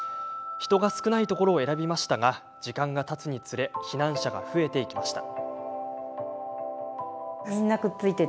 人が少ないところを選びましたが時間がたつにつれ避難者が増えていきました。